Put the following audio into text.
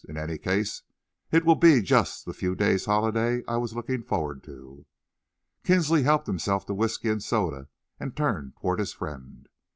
"In any case, it will be just the few days' holiday I was looking forward to." Kinsley helped himself to whisky and soda and turned towards his friend.